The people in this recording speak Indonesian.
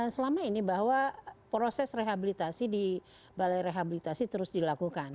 selama ini bahwa proses rehabilitasi di balai rehabilitasi terus dilakukan